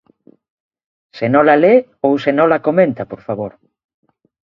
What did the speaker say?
Se nola le ou se nola comenta, por favor.